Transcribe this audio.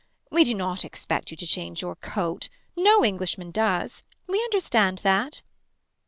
We do not expect you to change your coat. No Englishman does. We understand that.